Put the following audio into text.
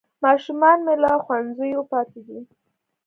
ماشومان مې له ښوونځیو پاتې دي